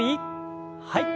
はい。